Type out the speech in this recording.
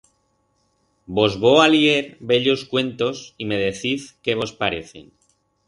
Vos vo a lier bellos cuentos y me deciz que vos parecen.